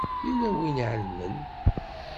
Yella win i iɛelmen.